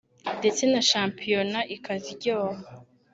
ndetse na shampiyona ikaryoha